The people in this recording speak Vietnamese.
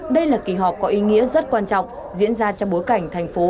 đây là kỳ họp có ý nghĩa rất quan trọng diễn ra trong bối cảnh thành phố